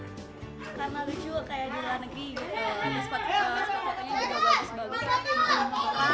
karena lucu kayak di luar negeri ini sepatu sepatunya juga bagus bagus